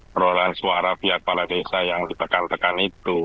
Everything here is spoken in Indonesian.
perolahan suara pihak kepala desa yang ditekan tekan itu